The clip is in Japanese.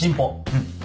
うん。